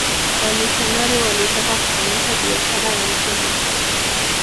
wamishionari walitaka kukomesha biashara ya utumwa